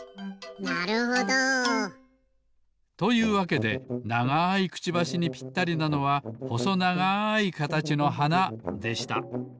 なるほど！というわけでながいくちばしにぴったりなのはほそながいかたちのはなでした。